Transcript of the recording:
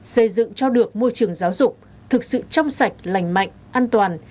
xây dựng cho được môi trường giáo dục thực sự trong sạch lành mạnh an toàn